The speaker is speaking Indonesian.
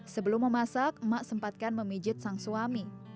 sebelum memasak emak sempatkan memijit sang suami